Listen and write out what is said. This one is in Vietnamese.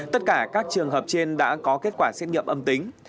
tất cả các trường hợp trên đã có kết quả xét nghiệm âm tính